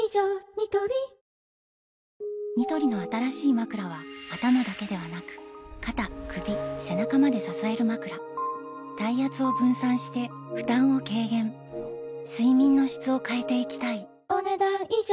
ニトリニトリの新しいまくらは頭だけではなく肩・首・背中まで支えるまくら体圧を分散して負担を軽減睡眠の質を変えていきたいお、ねだん以上。